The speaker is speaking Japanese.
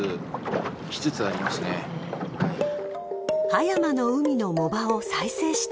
［葉山の海の藻場を再生したい］